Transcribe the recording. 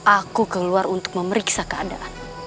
aku keluar untuk memeriksa keadaan